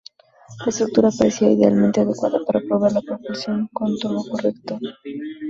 La estructura parecía idealmente adecuada para probar la propulsión con turborreactor.